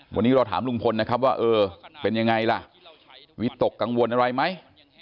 วันนี้เราถามลุงพลนะครับว่าเออเป็นยังไงล่ะวิตกกังวลอะไรไหม